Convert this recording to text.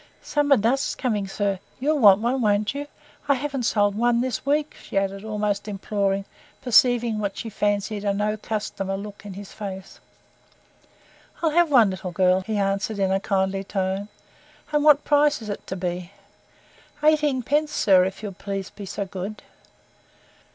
Summer dust's coming, Sir. You'll want one, won't you? I havn't sold one this week," she added, almost imploringly, perceiving what she fancied a "no customer" look in his face. "I'll have one, little girl," he answered in a kindly tone, "and what price is it to be?" "Eighteen pence, Sir, if you'd please be so good."